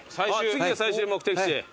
次で最終目的地。